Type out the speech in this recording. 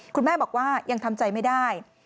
คุณแม่บอกว่ายังทำใจไม่ได้